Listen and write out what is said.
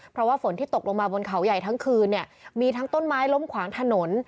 เพราะว่าฝนที่ตกลงมาบนเขาใหญ่ทั้งคืนเนี่ยมีทั้งต้นไม้ล้มขวางถนน